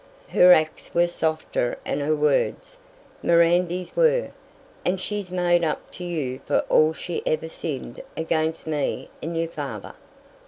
Her acts were softer 'n her words, Mirandy's were, and she's made up to you for all she ever sinned against me 'n' your father!